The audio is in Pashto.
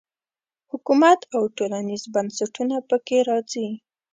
حکومت او ټولنیز بنسټونه په کې راځي.